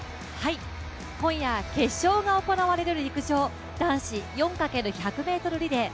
今夜、決勝が行われる陸上男子４×１００ｍリレー。